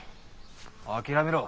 諦めろ。